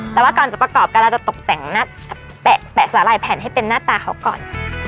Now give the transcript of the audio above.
แต่ว่าก่อนจะประกอบกันเราจะตกแต่งแปะสาหร่ายแผ่นให้เป็นหน้าตาเขาก่อน